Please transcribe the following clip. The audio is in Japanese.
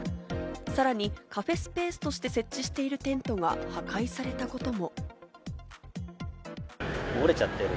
さらにカフェスペースとして設置しているテントが破壊されたことも。